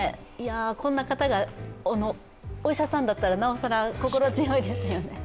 こんな方がお医者さんだったらなおさら心強いですね。